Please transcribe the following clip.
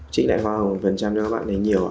chính đại hoa hồng một cho các bạn lấy nhiều